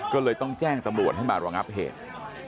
ก็เลยต้องแจ้งตำรวจให้มารองับเหตุ